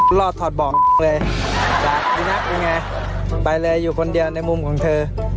เป็นไงไปเลยอยู่คนเดียวในมุมของเธอ